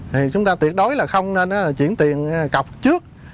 thì chúng ta tuyệt đối là không nên chuyển tiền cọc trước